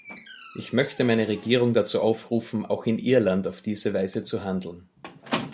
Ich möchte meine Regierung dazu aufrufen, auch in Irland auf diese Weise zu handeln.